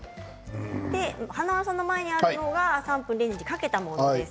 華丸さんの前にあるのが３分レンジをかけたものです。